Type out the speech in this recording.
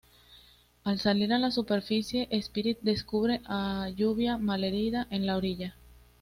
Al salir a la superficie, Spirit descubre a Lluvia malherida en la orilla.